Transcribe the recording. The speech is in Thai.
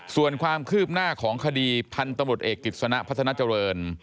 ส่วนความคืบหน้าของคดีพันธุ์ตำรวจเอกกิจสนะพัฒนาเจริญ